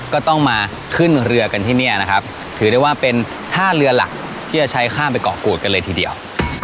ก็ต้องมาขึ้นเรือกันที่นี่นะครับถือได้ว่าเป็นท่าเรือหลักที่จะใช้ข้ามไปเกาะกูดกันเลยทีเดียว